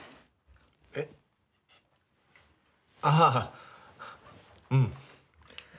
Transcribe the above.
えっあぁうん。